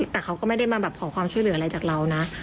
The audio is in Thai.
แต่เขาก็ไม่ได้มาแบบขอความช่วยเหลืออะไรจากเรานะ